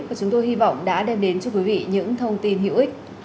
và chúng tôi hy vọng đã đem đến cho quý vị những thông tin hữu ích